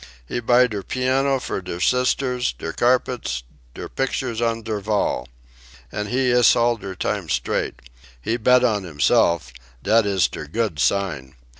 He buy der piano for der sisters, der carpets, der pictures on der vall. An' he iss all der time straight. He bet on himself dat iss der good sign.